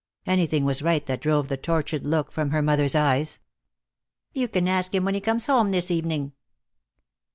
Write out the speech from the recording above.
Anything was right that drove the tortured look from her mother's eyes. "You can ask him when he comes home this evening."